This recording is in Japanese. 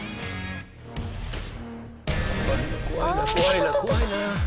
怖いな怖いな怖いな。